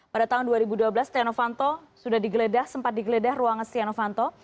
pada tahun dua ribu dua belas setia novanto sudah digeledah sempat digeledah ruangan setia novanto